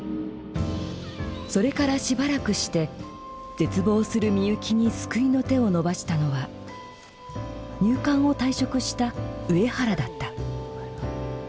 それからしばらくして絶望するミユキに救いの手を伸ばしたのは入管を退職した上原だった。